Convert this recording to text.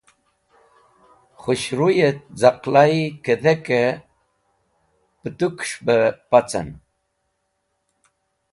Khũshruy et z̃aqlay kẽdhek-e pũt̃okes̃h be pacen.